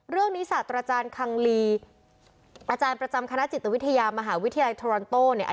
เรื่องนี้ศาสตร์อาจารย์คังลีอาจารย์ประจำคณะจิตวิทยามหาวิทยาลัยทรอนโต้